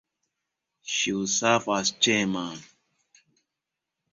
She would serve as chairman.